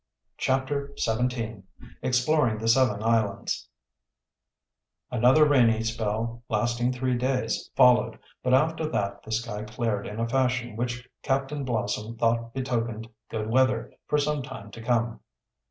CHAPTER XVII EXPLORING THE SEVEN ISLANDS Another rainy spell, lasting three days, followed, but after that the sky cleared in a fashion which Captain Blossom thought betokened good weather for some time to come.